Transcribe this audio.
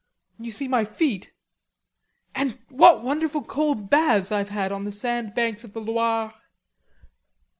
You see, my feet.... And what wonderful cold baths I've had on the sand banks of the Loire....